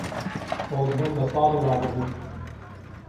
خۆزگهم به ساڵی ڕابردوو